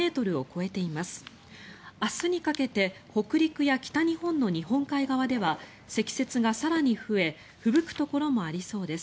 あすにかけて北陸や北日本の日本海側では積雪が更に増えふぶくところもありそうです。